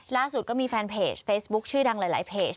ล่าสุดก็มีแฟนเพจเฟซบุ๊คชื่อดังหลายเพจ